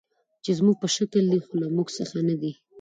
چې زموږ په شکل دي، خو له موږ څخه نه دي.